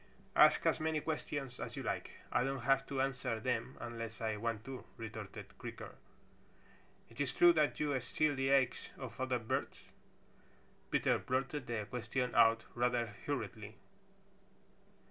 "Ask as many questions as you like. I don't have to answer them unless I want to," retorted Creaker. "Is it true that you steal the eggs of other birds?" Peter blurted the question out rather hurriedly.